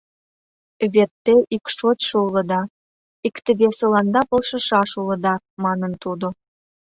Вет те ик шочшо улыда, икте-весыланда полшышаш улыда, манын тудо.